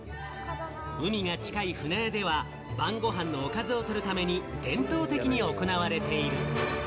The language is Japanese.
海が近い舟屋では、晩御飯のおかずを取るために伝統的に行われている。